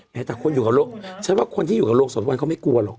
แต่คนอยู่กับโรงฉันว่าคนที่อยู่กับโรงศพวันเขาไม่กลัวหรอก